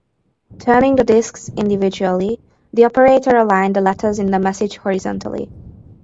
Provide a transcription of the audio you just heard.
Turning the discs individually, the operator aligned the letters in the message horizontally.